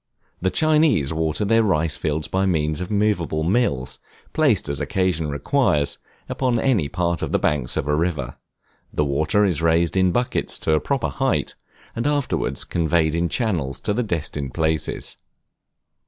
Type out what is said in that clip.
The Chinese water their rice fields by means of movable mills, placed as occasion requires, upon any part of the banks of a river; the water is raised in buckets to a proper height, and afterwards conveyed in channels to the destined places.